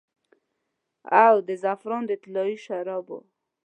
او د زعفران د طلايي شرابو